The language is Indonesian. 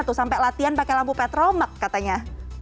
atau sampai latihan pakai lampu petromak katanya